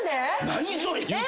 何それ？